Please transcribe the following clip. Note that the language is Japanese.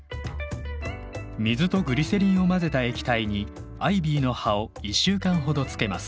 水とグリセリンを混ぜた液体にアイビーの葉を１週間ほどつけます。